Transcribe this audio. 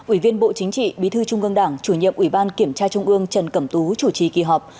ủy viên bộ chính trị bí thư trung ương đảng chủ nhiệm ủy ban kiểm tra trung ương trần cẩm tú chủ trì kỳ họp